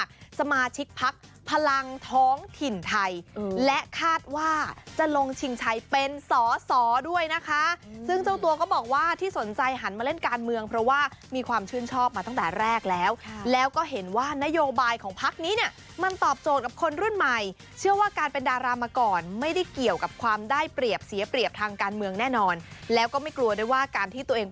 สมาชิกพักพลังท้องถิ่นไทยและคาดว่าจะลงชิงชัยเป็นสอสอด้วยนะคะซึ่งเจ้าตัวก็บอกว่าที่สนใจหันมาเล่นการเมืองเพราะว่ามีความชื่นชอบมาตั้งแต่แรกแล้วแล้วก็เห็นว่านโยบายของพักนี้เนี่ยมันตอบโจทย์กับคนรุ่นใหม่เชื่อว่าการเป็นดารามาก่อนไม่ได้เกี่ยวกับความได้เปรียบเสียเปรียบทางการเมืองแน่นอนแล้วก็ไม่กลัวด้วยว่าการที่ตัวเอง